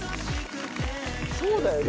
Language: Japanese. そうだよね。